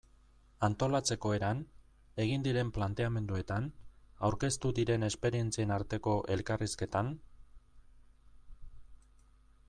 Antolatzeko eran, egin diren planteamenduetan, aurkeztu diren esperientzien arteko elkarrizketan...